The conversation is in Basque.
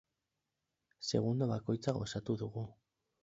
Segundo bakoitza gozatu dugu.